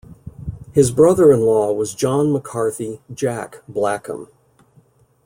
His brother-in-law was John McCarthy 'Jack' Blackham.